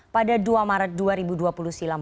pada dua maret dua ribu dua puluh silam